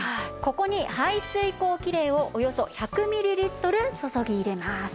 ここに排水口キレイをおよそ１００ミリリットル注ぎ入れます。